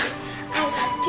renang punya adik